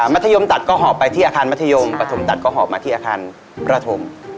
ธัมตัดก็หอบไปที่อาคารมัธยมปฐมตัดก็หอบมาที่อาคารประถม